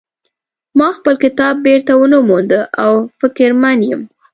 ما خپل کتاب بیرته ونه مونده او فکرمن یم